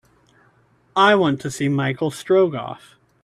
I want to see Michel Strogoff